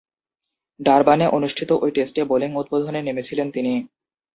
ডারবানে অনুষ্ঠিত ঐ টেস্টে বোলিং উদ্বোধনে নেমেছিলেন তিনি।